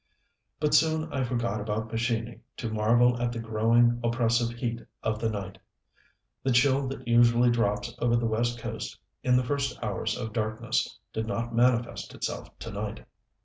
But soon I forgot about Pescini to marvel at the growing, oppressive heat of the night. The chill that usually drops over the West coast in the first hours of darkness, did not manifest itself to night.